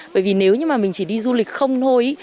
bởi vì nếu như mà mình chỉ đi du lịch không thôi